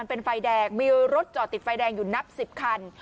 เป็นไฟแดงมีรถจอดติดไฟแดงอยู่นับ๑๐คัน